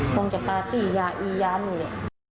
คงจะปาร์ตี้ยาอียาเหนื่อย